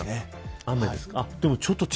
雨ですか。